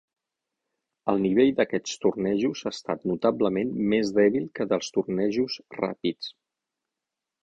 El nivell d'aquests tornejos ha estat notablement més dèbil que dels tornejos ràpids.